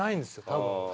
多分。